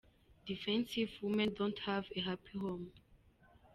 Defensive women don’t have a happy home.